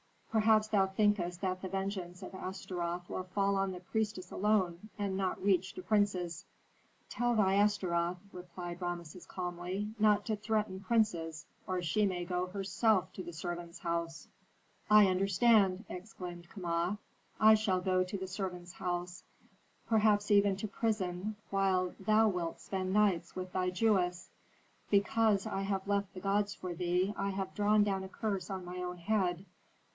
Perhaps thou thinkest that the vengeance of Astaroth will fall on the priestess alone, and not reach to princes." "Tell thy Astaroth," replied Rameses, calmly, "not to threaten princes, or she may go herself to the servants' house." "I understand!" exclaimed Kama. "I shall go to the servants' house, perhaps even to prison, while thou wilt spend nights with thy Jewess. Because I have left the gods for thee I have drawn down a curse on my own head.